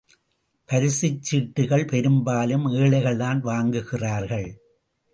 பரிசுச் சீட்டுகள் பெரும்பாலும் ஏழைகள் தான் வாங்குகிறார்கள்.